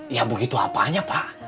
ya begitu apanya pak